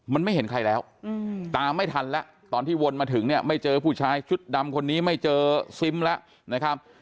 มันไม่เห็นใครแล้วตามไม่ทันแล้วตอนที่วนมาถึงเนี่ยไม่เจอผู้ชายชุดดำคนนี้ไม่เจอซิมแล้วนะครับ